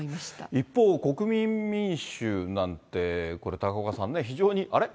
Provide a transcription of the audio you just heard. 一方、国民民主なんて、これ、高岡さんね、非常に、あれ？